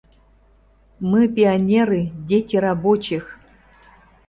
Мы пионеры — дети рабочих!